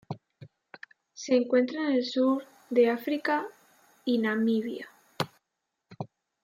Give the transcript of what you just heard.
Se encuentra en el sur de África y Namibia.